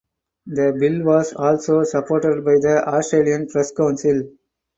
The bill was also supported by the Australian Press Council.